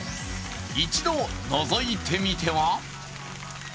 一度のぞいてみては？